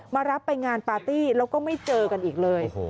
มารับไปงานปาร์ตี้แล้วก็ไม่เจอกันอีกเลย